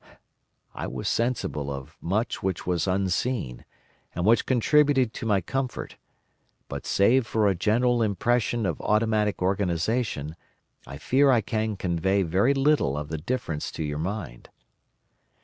I was sensible of much which was unseen, and which contributed to my comfort; but save for a general impression of automatic organisation, I fear I can convey very little of the difference to your mind.